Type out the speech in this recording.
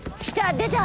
出た！